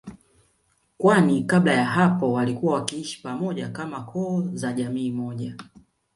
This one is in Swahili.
kwani kabla ya hapo walikuwa wakiishi pamoja kama koo za jamii moja